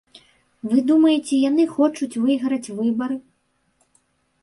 Вы думаеце, яны хочуць выйграць выбары?